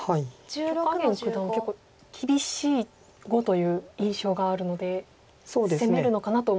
許家元九段は結構厳しい碁という印象があるので攻めるのかなと思ったんですが。